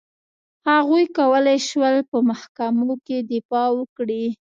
هغوی کولای شول په محکمو کې دفاع وکړي.